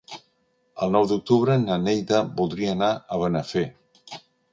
El nou d'octubre na Neida voldria anar a Benafer.